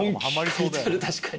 書いてある確かに。